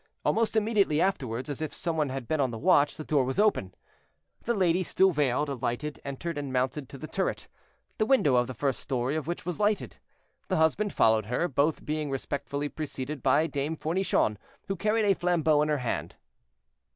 Almost immediately afterward, as if some one had been on the watch, the door was opened. The lady, still veiled, alighted; entered and mounted to the turret, the window of the first story of which was lighted. The husband followed her, both being respectfully preceded by Dame Fournichon, who carried a flambeau in her hand.